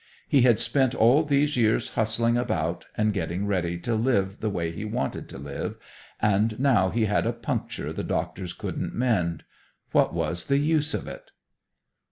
He had spent all these years hustling about and getting ready to live the way he wanted to live, and now he had a puncture the doctors couldn't mend. What was the use of it?